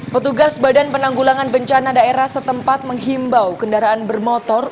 petugas badan penanggulangan bencana daerah setempat menghimbau kendaraan bermotor